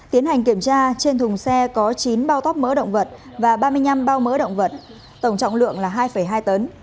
tiến hành kiểm tra trên thùng xe có chín bao tóc mỡ động vật và ba mươi năm bao mỡ động vật tổng trọng lượng là hai hai tấn